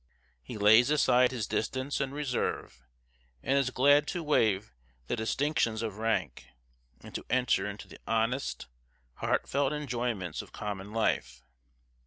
He lays aside his distance and reserve, and is glad to waive the distinctions of rank, and to enter into the honest, heartfelt enjoyments of common life.